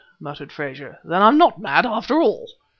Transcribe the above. muttered Frazer "then I'm not mad, after all!"